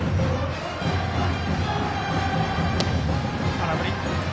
空振り。